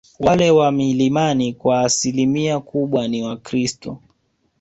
Wale wa milimani kwa asilimia kubwa ni wakristo